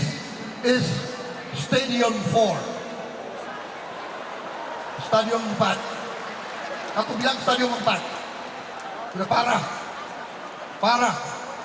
pada saat ini ketua umum gerindra mengatakan bahwa kebocoran anggaran mencapai dua triliun rupiah